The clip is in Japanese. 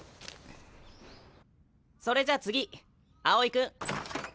それじゃ次青井君。